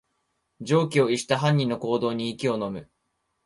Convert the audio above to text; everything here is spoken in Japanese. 常軌を逸した犯人の行動に息をのむ